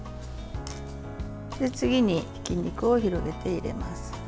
次に、ひき肉を広げて入れます。